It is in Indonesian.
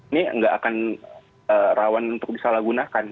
ini nggak akan rawan untuk disalahgunakan